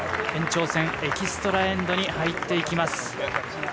延長戦、エキストラ・エンドに入っていきます。